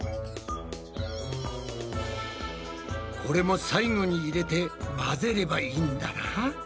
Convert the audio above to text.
これも最後に入れて混ぜればいいんだな。